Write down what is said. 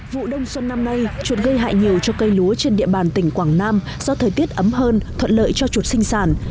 vụ đông xuân năm nay chuột gây hại nhiều cho cây lúa trên địa bàn tỉnh quảng nam do thời tiết ấm hơn thuận lợi cho chuột sinh sản